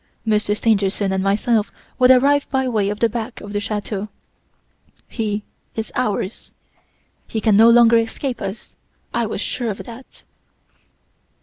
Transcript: Monsieur Stangerson and myself would arrive by way of the back of the chateau. He is ours! He can no longer escape us! I was sure of that.